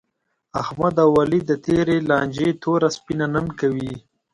احمد او علي د تېرې لانجې توره سپینه نن کوي.